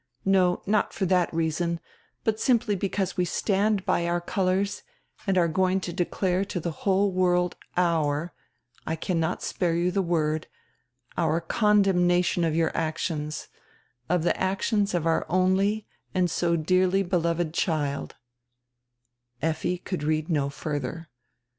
No, not for that reason, but simply because we stand by our colors and are going to declare to die whole world our — I cannot spare you die word — our condemnation of your actions, of die actions of our only and so dearly beloved child —" Effi could read no further.